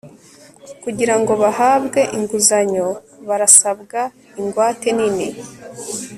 kugira ngo bahabwe inguzanyo barasabwa ingwate nini